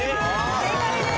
正解です。